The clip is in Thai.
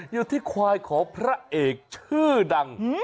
อยู่ที่ควายของพระเอกชื่อดัง